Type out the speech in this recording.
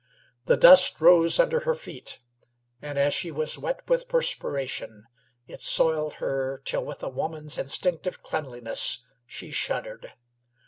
The dust rose under her feet, and as she was wet with perspiration it soiled her till with a woman's instinctive cleanliness, she shuddered.